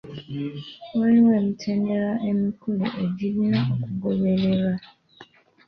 Waliwo emitendera emikulu egirina okugobererwa.